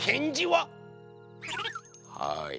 はい。